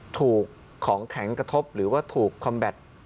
ถูกของแข็งกระทบหรือว่าถูกคอมแบต